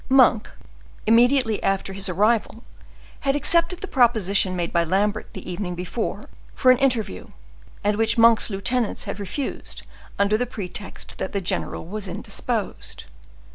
Monk, immediately after his arrival, had accepted the proposition made by Lambert the evening before, for an interview, and which Monk's lieutenants had refused under the pretext that the general was indisposed.